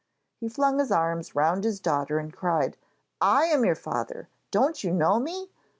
He flung his arms round his daughter and cried. 'I am your father. Don't you know me?